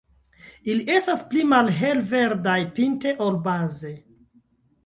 Ili estas pli malhel-verdaj pinte ol baze.